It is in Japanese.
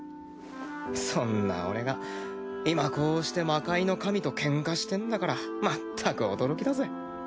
そんな俺が今こうして魔界の神とケンカしてんだからまったく驚きだぜ。